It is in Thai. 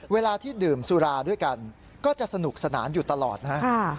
เวลาที่ดื่มสุราด้วยกันก็จะสนุกสนานอยู่ตลอดนะฮะ